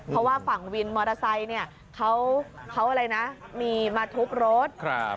เพราะว่าฝั่งวินมอเตอร์ไซค์เนี่ยเขาอะไรนะมีมาทุบรถ